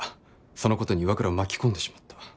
そのことに岩倉を巻き込んでしまった。